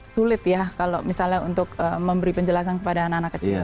sulit ya kalau misalnya untuk memberi penjelasan kepada anak anak kecil